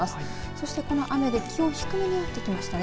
そして、この雨で気温が低めになってきましたね。